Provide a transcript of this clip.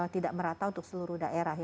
tidak merata untuk seluruh daerah